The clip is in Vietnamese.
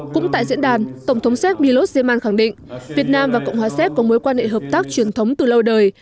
cũng tại diễn đàn tổng thống séc millos seman khẳng định việt nam và cộng hòa séc có mối quan hệ hợp tác truyền thống từ lâu đời